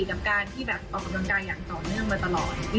กับการที่แบบออกกำลังกายอย่างต่อเนื่องมาตลอด